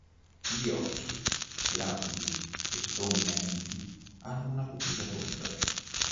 Gli occhi, grandi e prominenti, hanno una pupilla tonda.